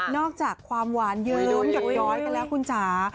นอกจากความหวานเยิ้มหยดก็แล้วคุณจ๋า